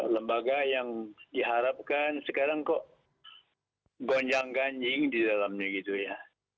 lembaga yang diharapkan sekarang kok gonjang ganjing di dalamnya gitu ya